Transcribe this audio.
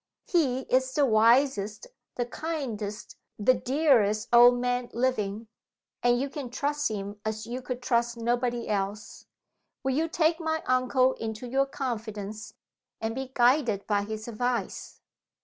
He is the wisest, the kindest, the dearest old man living and you can trust him as you could trust nobody else. Will you take my uncle into your confidence, and be guided by his advice?"